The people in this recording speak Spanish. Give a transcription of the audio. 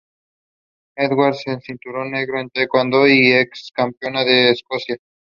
Edwards es cinturón negro en Tae Kwon Do y es ex-campeona de Escocia.